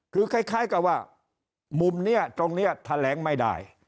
คือคล้ายกับว่ามุมนี้ตรงนี้แถลงไม่ได้